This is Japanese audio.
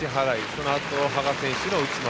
そのあと羽賀選手の内股。